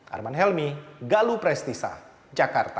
arman helmy galu prestisa jakarta